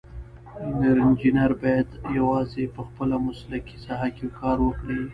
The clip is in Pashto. انجینر باید یوازې په خپله مسلکي ساحه کې کار وکړي.